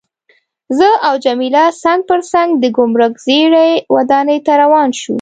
زه او جميله څنګ پر څنګ د ګمرک زړې ودانۍ ته روان شوو.